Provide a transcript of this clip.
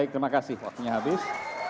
terima kasih waktunya habis